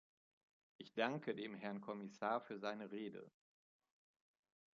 Ich danke dem Herrn Kommissar für seine Rede.